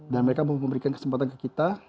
dan mereka memberikan kesempatan ke kita